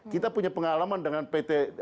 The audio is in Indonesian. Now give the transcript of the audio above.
kita punya pengalaman dengan pt dirgantaran indonesia